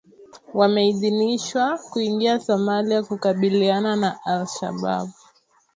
wameidhinishwa kuingia Somalia kukabiliana na Al Shabaab